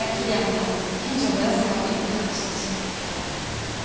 検事を目指せばいいって話だし。